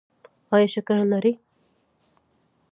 ایا شکر لرئ؟